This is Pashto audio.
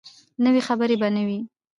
نوي خبرې به نه وي.